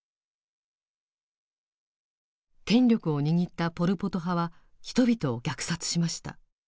権力を握ったポル・ポト派は人々を虐殺しました。